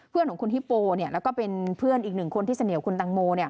เพื่อนของคุณฮิปโปแล้วก็เป็นเพื่อนอีกหนึ่งคนที่เสนี่ยวคุณตังโม